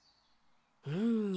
うんにゃ。